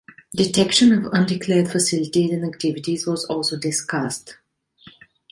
Detection of undeclared facilities and activities was also discussed.